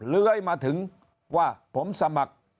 เลื้อยมาถึงว่าผมสมัคร